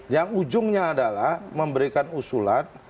yang ujungnya adalah memberikan usulan